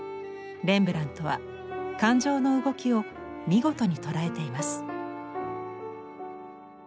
レンブラントは感情の動きを見事に捉えています。